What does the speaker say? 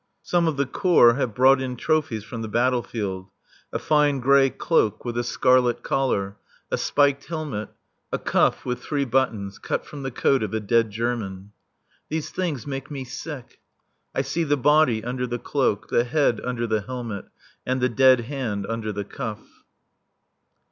Some of the Corps have brought in trophies from the battle field a fine grey cloak with a scarlet collar, a spiked helmet, a cuff with three buttons cut from the coat of a dead German. These things make me sick. I see the body under the cloak, the head under the helmet, and the dead hand under the cuff.